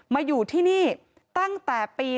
มาอยู่ที่นี่ตั้งแต่ปี๒๕